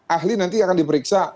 ahli nanti akan diperiksa